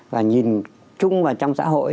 và nhìn trung vào trong xã hội